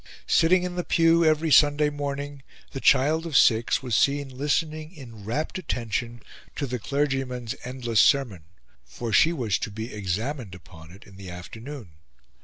Sitting in the pew every Sunday morning, the child of six was seen listening in rapt attention to the clergyman's endless sermon, for she was to be examined upon it in the afternoon.